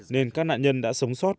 nên các nạn nhân đã sống sót